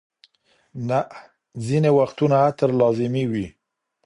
نه، ځینې وختونه عطر لازمي وي.